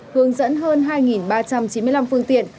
hướng dẫn hơn hai ba trăm chín mươi năm phương tiện